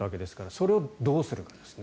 それをどうするかですね。